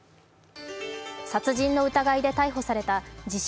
殺人の疑いで逮捕された自称